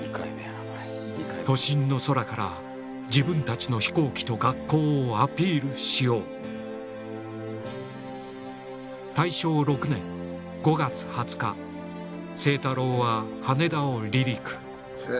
都心の空から自分たちの飛行機と学校をアピールしよう清太郎は羽田を離陸